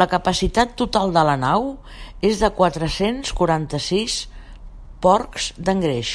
La capacitat total de la nau és de quatre-cents quaranta-sis porcs d'engreix.